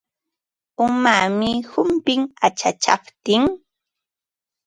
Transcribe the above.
Umaami humpin achachaptin.